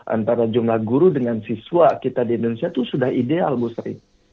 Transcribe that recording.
antara jumlah guru dengan siswa kita di indonesia itu sudah ideal bu sri